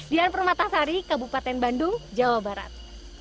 dian permatasari kabupaten bandung jawa barat